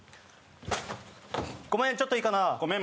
ごめんちょっといいかなごめん